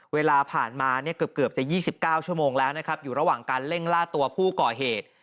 เวลาผ่านมาเนี่ยเกือบจะ๒๙ชั่วโมงแล้วนะครับอยู่ระหว่างการเร่งล่าตัวผู้ก่อเหตุ